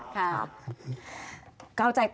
ขอบคุณครับ